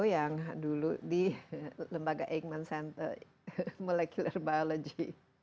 yang dulu di lembaga eijkman center molecular biology